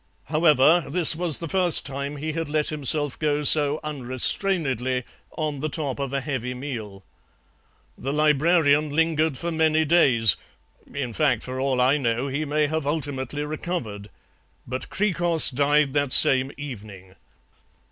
However, this was the first time he had let himself go so unrestrainedly on the top of a heavy meal. The Librarian lingered for many days in fact, for all I know, he may have ultimately recovered, but Hkrikros died that same evening.